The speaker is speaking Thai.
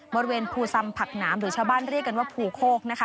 บริเวณภูสำผักน้ำหรือชาวบ้านเรียกกันว่าภูโคก